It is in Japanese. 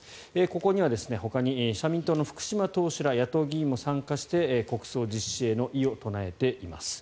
ここにはほかに社民党の福島党首ら野党議員も参加して国葬実施への異を唱えています。